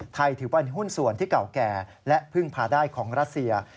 ถือว่าเป็นหุ้นส่วนที่เก่าแก่และพึ่งพาได้ของรัสเซีย